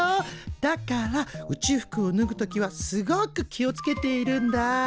だから宇宙服をぬぐ時はすごく気をつけているんだ。